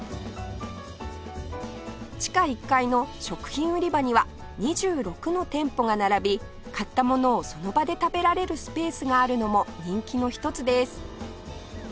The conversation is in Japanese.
地下１階の食品売り場には２６の店舗が並び買ったものをその場で食べられるスペースがあるのも人気の一つです